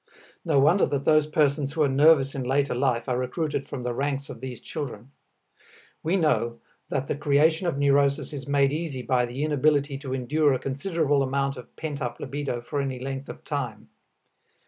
No wonder that those persons who are nervous in later life are recruited from the ranks of these children. We know that the creation of neurosis is made easy by the inability to endure a considerable amount of pent up libido for any length of time.